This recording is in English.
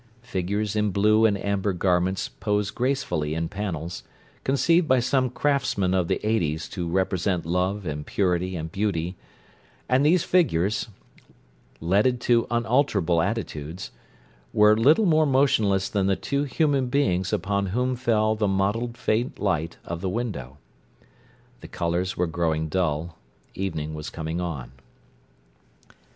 Figures in blue and amber garments posed gracefully in panels, conceived by some craftsman of the Eighties to represent Love and Purity and Beauty, and these figures, leaded to unalterable attitudes, were little more motionless than the two human beings upon whom fell the mottled faint light of the window. The colours were growing dull; evening was coming on.